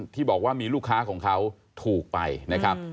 ที่บอกว่ามีลูกค้าของเขาถูกไปนะครับ